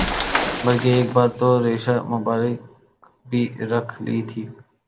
بلکہ ایک بار تو ریشہ مبارک بھی رکھ لی تھی